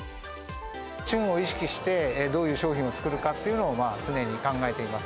旬を意識して、どういう商品を作るかっていうのを常に考えています。